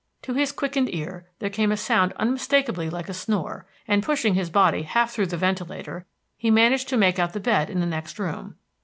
To his quickened ear there came a sound unmistakably like a snore, and pushing his body half through the ventilator he managed to make out the bed in the next room.